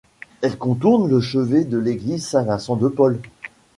Elle contourne le chevet de l'église Saint-Vincent-de-Paul.